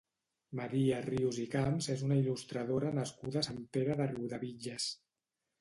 Maria Rius i Camps és una il·lustradora nascuda a Sant Pere de Riudebitlles.